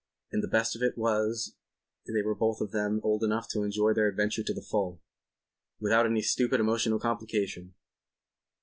And the best of it was they were both of them old enough to enjoy their adventure to the full without any stupid emotional complication.